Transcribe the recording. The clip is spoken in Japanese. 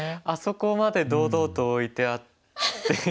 あそこまで堂々と置いてあって。